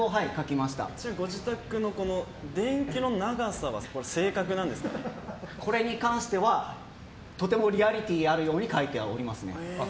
自宅の電気の長さはこれに関してはとてもリアリティーあるように描いておりますね。